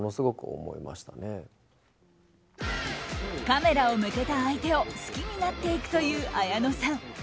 カメラを向けた相手を好きになっていくという綾野さん。